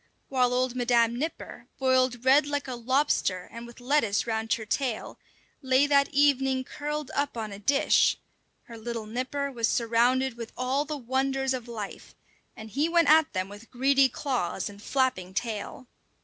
While old Madam Nipper, boiled red like a lobster and with lettuce round her tail, lay that evening curled up on a dish, her little nipper was surrounded with all the wonders of life; and he went at them with greedy claws and flapping tail.